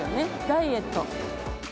ダイエット